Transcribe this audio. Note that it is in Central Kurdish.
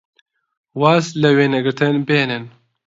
واز لە وێنەگرتن بێنن!